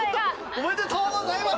おめでとうございます！